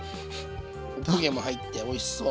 おこげも入っておいしそう。